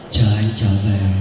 chờ anh trở về